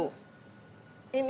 jadi saya sekolah ini